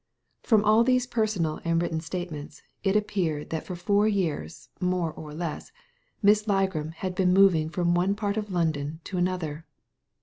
From all these personal and written statements it appeared that for four years, more or less, Miss Ligram had been moving from one part of London to another.